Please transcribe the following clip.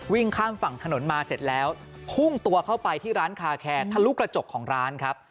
ข้ามฝั่งถนนมาเสร็จแล้วพุ่งตัวเข้าไปที่ร้านคาแคร์ทะลุกระจกของร้านครับ